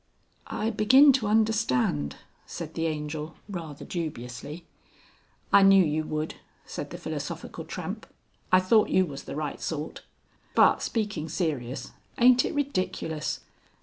"I begin to understand," said the Angel, rather dubiously. "I knew you would," said the Philosophical Tramp. "I thought you was the right sort. But speaking serious, aint it ridiculous?